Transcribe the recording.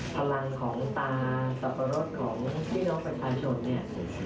พลังของตาสรรพรสของพี่น้องบ่นชนเนี่ย